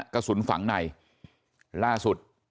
กระสุนฝังในล่าสุด